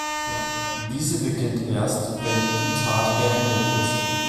Diese beginnt erst, wenn die Tat beendet ist.